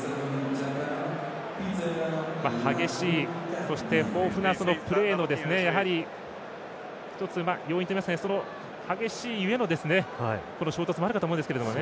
激しい、そして豊富なプレーの１つ要因といいますか激しいゆえの衝突もあるかと思うんですが。